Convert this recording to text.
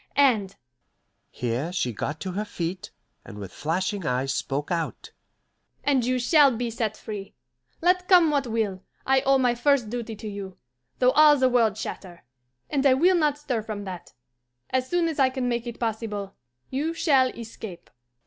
And" here she got to her feet, and with flashing eyes spoke out "and you shall be set free. Let come what will, I owe my first duty to you, though all the world chatter; and I will not stir from that. As soon as I can make it possible, you shall escape."